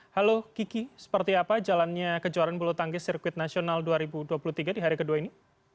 halo kiki seperti apa jalannya kejuaraan bulu tangkis sirkuit nasional dua ribu dua puluh tiga di hari kedua ini